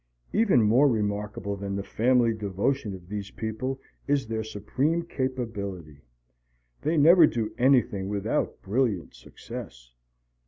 Even more remarkable than the family devotion of these people is their supreme capability. They never do anything without brilliant success.